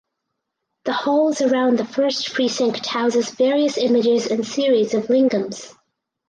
The halls around the first precinct houses various images and series of Lingams.